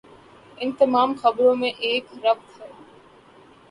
ان تمام خبروں میں ایک ربط ہے۔